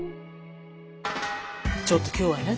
ちょっと今日はね。